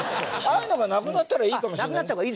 ああいうのがなくなったらいいかもしれないね。